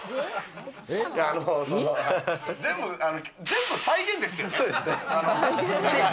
全部再現ですよね？